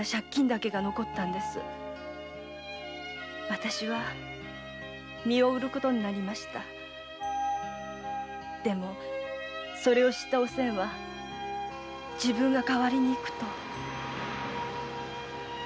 わたしは身を売ることになりでもそれを知ったおせんは自分が代わりに行くと。